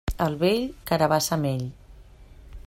Al vell, carabassa amb ell.